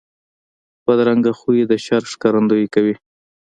بدرنګه خوی د شر ښکارندویي کوي